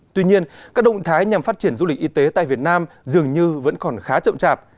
tuy nhiên các động thái nhằm phát triển du lịch y tế tại việt nam dường như vẫn còn khá chậm chạp